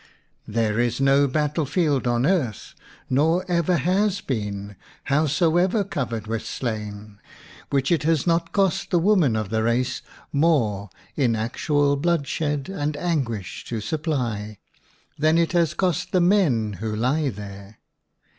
There is no battle WOMAN AND WAR field on earth, nor ever has been, how soever covered with slain, which it has not cost the women of the race more in actual bloodshed and anguish to sup ply, than it has cost the men who lie there.